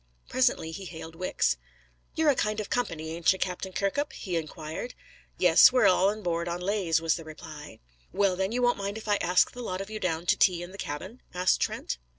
Presently he hailed Wicks. "You're a kind of company, ain't you, Captain Kirkup?" he inquired. "Yes, we're all on board on lays," was the reply. "Well, then, you won't mind if I ask the lot of you down to tea in the cabin?" asked Trent.